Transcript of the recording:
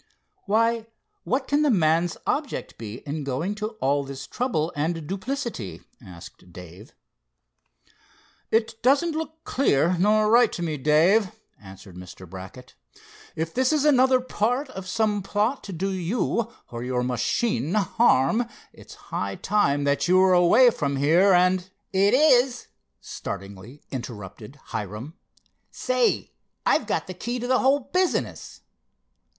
"Why, what can the man's object be in going to all this trouble and duplicity?" asked Dave. "It doesn't look clear, nor right, to me, Dave," answered Mr. Brackett. "If this is another part of some plot to do you, or your machine harm, it is high time that you were away from here and,——" "It is!" startlingly interrupted Hiram. "Say, I've got the key to the whole business!"